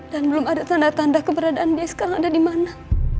dan belum ada tanda tanda keberadaan dia sekarang ada dimana